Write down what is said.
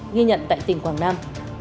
nghi nhận tại tỉnh quảng nam